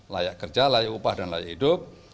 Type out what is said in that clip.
layak kerja layak upah dan layak hidup